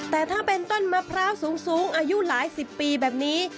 แต่ถ้าเป็นต้นมะพร้าวสูงอายุหลายสิบปีแบบนี้